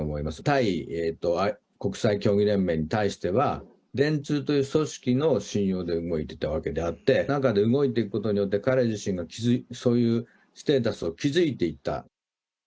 対国際競技連盟に対しては、電通という組織の信用で動いていたわけであって、中で動いていくことによって、彼自身のそういうステータスを築いていった。